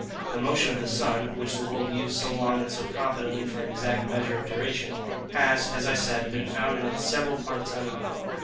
The motion of the sun, which the world used so long and so confidently for an exact measure of duration, has, as I said, been found in its several parts unequal.